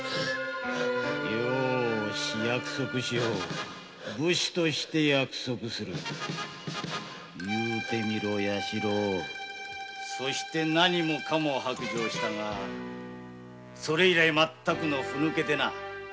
よし約束しよう武士として約束すそして何もかも白状したがそれ以来全くのふぬけでな。